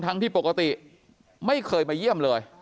ที่ปกติไม่เคยมาเยี่ยมเลย